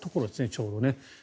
ちょうどね。